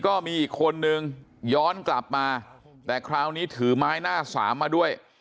ก็มีอีกคนนึงย้อนกลับมาแต่คราวนี้ถือไม้หน้าสามมาด้วย